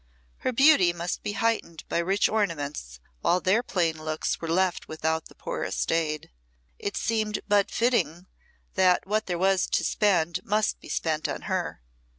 Her beauty must be heightened by rich adornments, while their plain looks were left without the poorest aid. It seemed but fitting that what there was to spend must be spent on her.